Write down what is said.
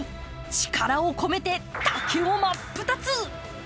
力を込めて、竹を真っ二つ。